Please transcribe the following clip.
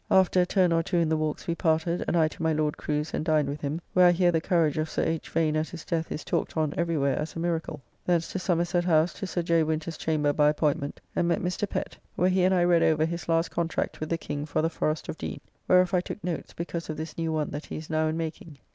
After a turn or two in the walks we parted, and I to my Lord Crew's and dined with him; where I hear the courage of Sir H. Vane at his death is talked on every where as a miracle. Thence to Somerset House to Sir J. Winter's chamber by appointment, and met Mr. Pett, where he and I read over his last contract with the King for the Forest of Dean, whereof I took notes because of this new one that he is now in making.